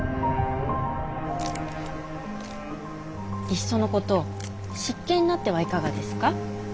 いっそのこと執権になってはいかがですか。